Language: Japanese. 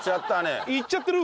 いっちゃってる！